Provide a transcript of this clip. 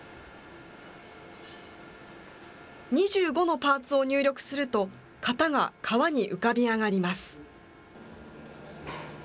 ２５のパーツを入力すると、型が革に浮かび上がります。